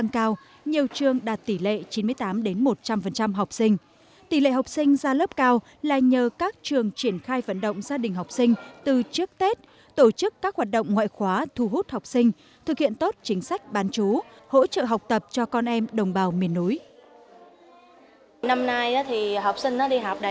các bạn hãy đăng ký kênh để ủng hộ kênh của chúng mình nhé